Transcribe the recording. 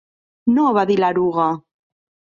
"No" -va dir l'eruga.